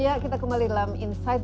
ya kita kembali dalam insight